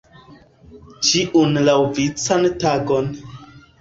Ĉiun laŭvican tagon.